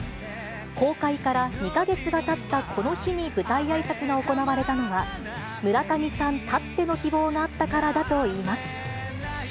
公開から２か月がたったこの日に舞台あいさつが行われたのは、村上さんたっての希望があったからだといいます。